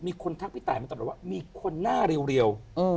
มีคนทักพี่ตายมีคนหน้าเรียว